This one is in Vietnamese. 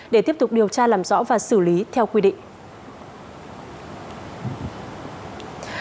để tiếp tục điều tra làm rõ và xử lý theo quy định